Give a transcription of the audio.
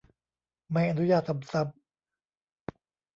ไม่อนุญาตทำซ้ำ